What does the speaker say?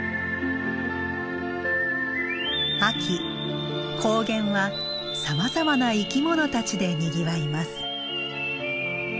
秋高原はさまざまな生きものたちでにぎわいます。